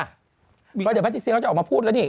เดี๋ยวพระธิเชียร์เขาจะออกมาพูดแล้วนี่